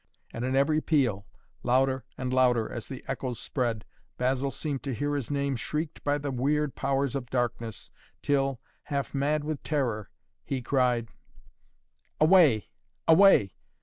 And in every peal, louder and louder as the echoes spread, Basil seemed to hear his name shrieked by the weird powers of darkness, till, half mad with terror, he cried: "Away! Away!